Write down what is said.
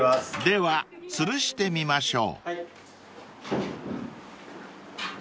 ［ではつるしてみましょう］